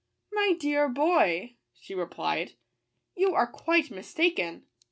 " My dear boy," she re plied, " you are quite mistaken.